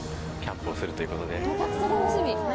めちゃくちゃ楽しみ。